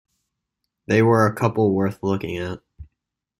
They were a couple worth looking at.